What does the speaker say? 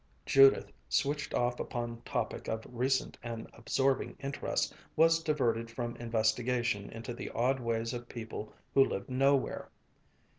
Judith, switched off upon a topic of recent and absorbing interest, was diverted from investigation into the odd ways of people who lived nowhere.